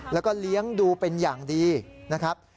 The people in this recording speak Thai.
แล้วก็เลี้ยงดูเป็นอย่างดีนะครับ